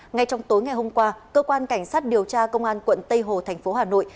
ngay trong tối ngày hôm qua cơ quan cảnh sát điều tra công an quận tây hồ thành phố hà nội